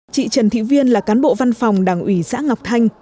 chị trần thị viên là cán bộ văn phòng đảng ủy xã ngọc thanh